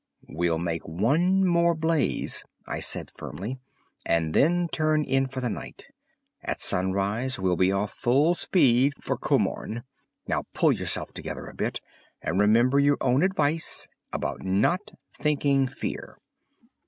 "We'll make one more blaze," I said firmly, "and then turn in for the night. At sunrise we'll be off full speed for Komorn. Now, pull yourself together a bit, and remember your own advice about _not thinking fear!